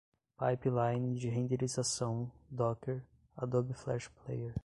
pipeline de renderização, docker, adobe flash player